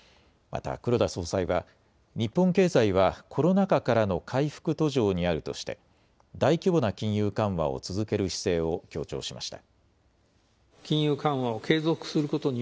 また黒田総裁は日本経済はコロナ禍からの回復途上にあるとして大規模な金融緩和を続ける姿勢を強調しました。